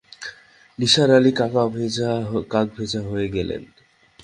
নিসার আলি কাকভেজা হয়ে গেলেন।